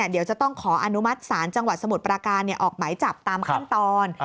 เดี๋ยวจะต้องขออนุมัติศาลจังหวัดสมุทรปราการออกหมายจับตามขั้นตอน